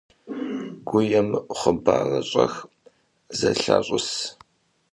ГуемыӀу хъыбарыр щӀэх зэлъащӀыс.